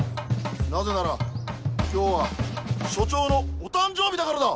なぜなら今日は署長のお誕生日だからだ！